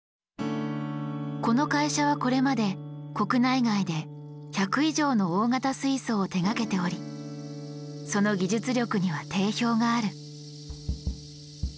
この会社はこれまで国内外で１００以上の大型水槽を手がけておりその技術力には定評がある。